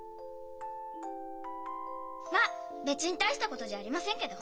まあ別に大したことじゃありませんけど。